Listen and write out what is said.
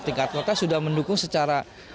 tingkat kota sudah mendukung secara